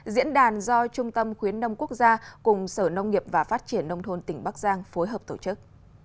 diễn đàn do trung tâm khuyến nông quốc gia cùng sở nông nghiệp và phát triển nông thôn tỉnh bắc giang phối hợp tổ chức